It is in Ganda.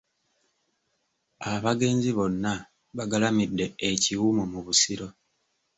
Abagenzi bonna bagalamidde e Kiwumu mu Busiro.